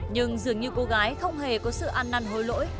nhưng dường như cô gái không hề có sự ăn năn hối lỗi